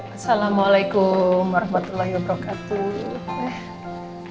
assalamualaikum warahmatullahi wabarakatuh